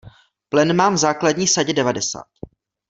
Plen mám v základní sadě devadesát.